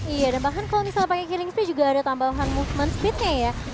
iya dan bahkan kalau misalnya pakai killing spree juga ada tambahan movement speed nya ya